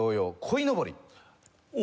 『こいのぼり』？